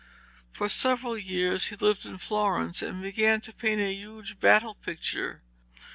For several years he lived in Florence and began to paint a huge battle picture.